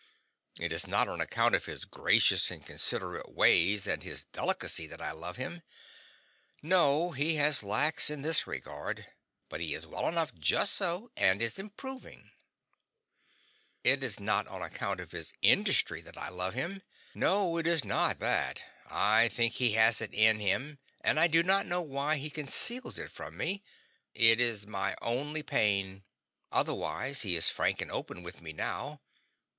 It is not on account of his gracious and considerate ways and his delicacy that I love him. No, he has lacks in this regard, but he is well enough just so, and is improving. It is not on account of his industry that I love him no, it is not that. I think he has it in him, and I do not know why he conceals it from me. It is my only pain. Otherwise he is frank and open with me, now.